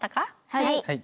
はい。